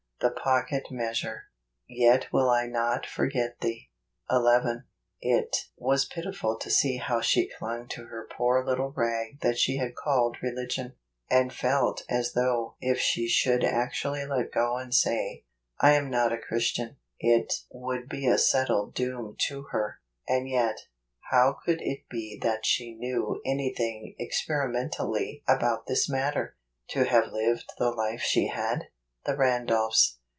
The Pocket Measure. " Yet icill I not forget thee." 11. It was pitiful to see how she clung to her poor little rag that she had called religion, and felt as though if she should actually let go and say, "1 am not a Chris¬ tian," it would be a settled doom to her, and yet — how could it be that she knew anything experimentally about this matter, to have lived the life she had ? The [Randolphs.